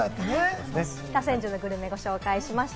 北千住のグルメをご紹介しました。